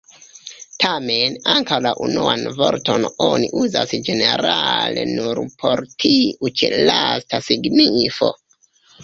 Tamen, ankaŭ la unuan vorton oni uzas ĝenerale nur por tiu ĉi lasta signifo.